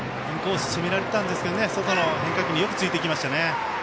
インコース攻められたんですけど外の変化球によくついていきました。